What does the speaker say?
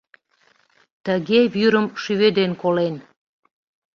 Тыге вӱрым шӱведен колен.